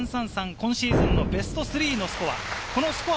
今シーズンのベスト３のスコア。